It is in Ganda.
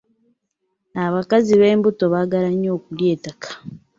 Abakazi b'embuto baagala nnyo okulya ettaka.